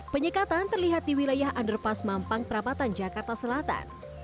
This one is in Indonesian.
penyekatan terlihat di wilayah anderpas mampang perabatan jakarta selatan